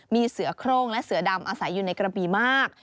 มีเสือโครงและเสือดำอาศัยอยู่ในกระบีมาก